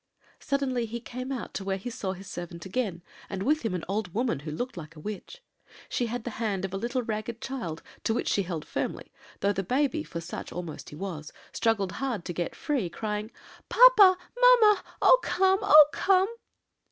Suddenly he came out to where he saw his servant again, and with him an old woman, who looked like a witch. She had the hand of a little ragged child, to which she held firmly, though the baby, for such almost he was, struggled hard to get free, crying, 'Papa! mamma! Oh, come! Oh, come!'